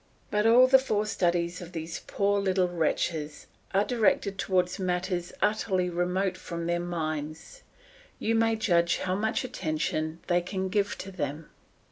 But all the forced studies of these poor little wretches are directed towards matters utterly remote from their minds. You may judge how much attention they can give to them.